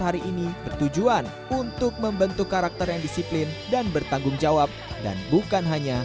hari ini bertujuan untuk membentuk karakter yang disiplin dan bertanggung jawab dan bukan hanya